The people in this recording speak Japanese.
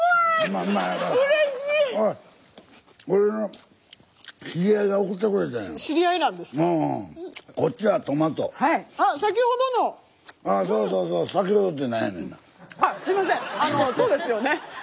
あのそうですよね。